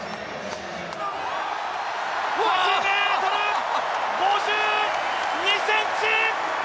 ８ｍ５２ｃｍ！